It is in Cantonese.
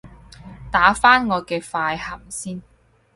打返我嘅快含先